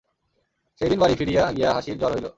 সেইদিন বাড়ি ফিরিয়া গিয়া হাসির জ্বর হইল।